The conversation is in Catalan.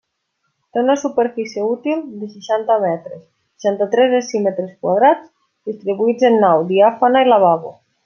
Té una superfície útil de seixanta metres, seixanta-tres decímetres quadrats, distribuïts en nau diàfana i lavabo.